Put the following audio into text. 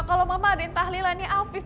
kalau mama ada yang tahlilannya afif